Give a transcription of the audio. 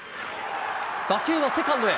打球はセカンドへ。